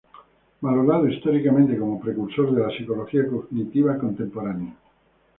Valorado históricamente como precursor de la Psicología cognitiva contemporánea.